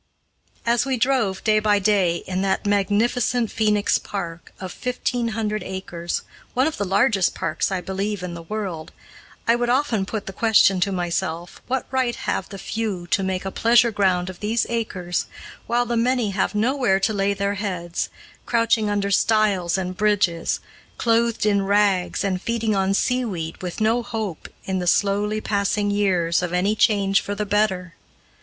As we drove, day by day, in that magnificent Phoenix Park, of fifteen hundred acres, one of the largest parks, I believe, in the world, I would often put the question to myself, what right have the few to make a pleasure ground of these acres, while the many have nowhere to lay their heads, crouching under stiles and bridges, clothed in rags, and feeding on sea weed with no hope, in the slowly passing years, of any change for the better?